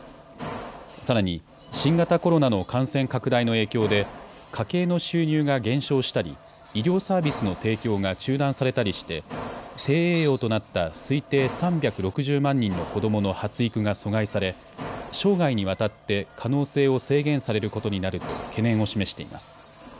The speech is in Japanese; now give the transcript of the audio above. さらに新型コロナの感染拡大の影響で家計の収入が減少したり、医療サービスの提供が中断されたりして低栄養となった推定３６０万人の子どもの発育が阻害され生涯にわたって可能性を制限されることになると懸念を示しています。